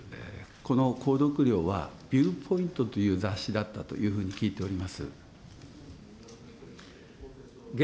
この購読料は、ビューポイントという雑誌だったというふうに聞いております。